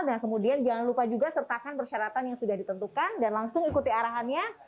nah kemudian jangan lupa juga sertakan persyaratan yang sudah ditentukan dan langsung ikuti arahannya